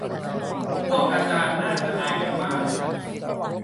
พวกอาจารย์น่าจะอายกันบ้าง